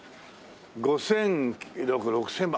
５９００６０００万。